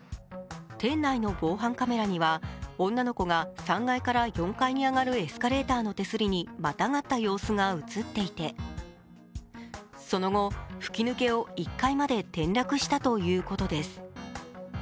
店内の防犯カメラには女の子が３階から４階に上がるエスカレーターの手すりにまたがった様子が映っていてその後、吹き抜けを１階まで転落したということです。